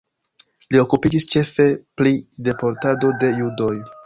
Li okupiĝis ĉefe pri deportado de judoj.